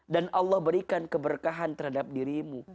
dan allah berikan keberkahan terhadap dirimu